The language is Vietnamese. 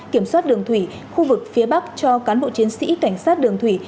kiểm soát đường thủy khu vực phía bắc cho cán bộ chiến sĩ cảnh sát đường thủy